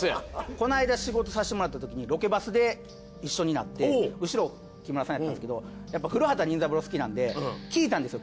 この間仕事させてもらったときにロケバスで一緒になって後ろ木村さんやったんですけどやっぱ『古畑任三郎』好きなんで聞いたんですよ